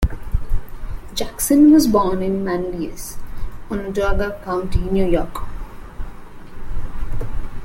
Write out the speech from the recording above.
Jackson was born in Manlius, Onondaga County, New York.